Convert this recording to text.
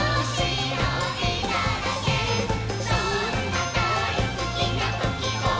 「そんなだいすきなときを」